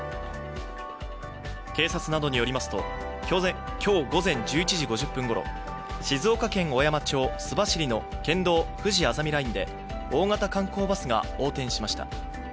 警察などによりますと、今日午前１１時５０分ごろ静岡県小山町須走の県道ふじあざみラインで大型観光バスが横転しました。